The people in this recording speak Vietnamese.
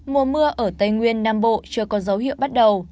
mùa mưa ở tây nguyên nam bộ chưa có dấu hiệu bắt đầu